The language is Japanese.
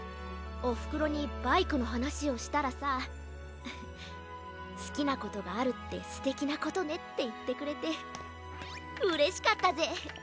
おふくろにバイクのはなしをしたらさ「すきなことがあるってすてきなことね」っていってくれてうれしかったぜ。